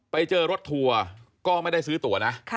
ไปเจอรถทัวร์ก็ไม่ได้ซื้อตัวนะ